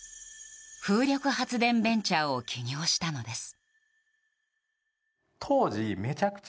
風力発電ベンチャーを起業したのです。